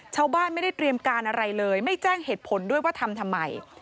ชาวบ้านไม่ได้เตรียมการอะไรเลยไม่แจ้งเหตุผลด้วยว่าทำทำไม